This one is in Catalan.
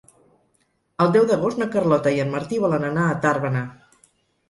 El deu d'agost na Carlota i en Martí volen anar a Tàrbena.